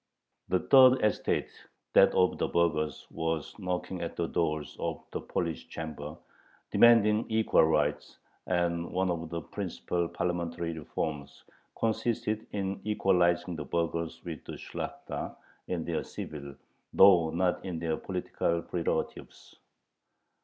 The third estate, that of the burghers, was knocking at the doors of the Polish Chamber, demanding equal rights, and one of the principal parliamentary reforms consisted in equalizing the burghers with the Shlakhta in their civil, though not in their political, prerogatives.